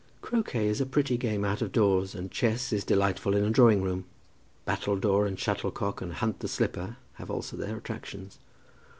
Croquet is a pretty game out of doors, and chess is delightful in a drawing room. Battledoor and shuttlecock and hunt the slipper have also their attractions.